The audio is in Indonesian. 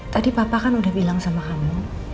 tadi papa kan udah bilang sama kamu